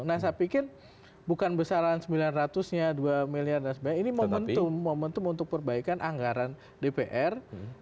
nah saya pikir bukan besaran rp sembilan ratus rp dua ini momentum untuk perbaikan anggaran dpr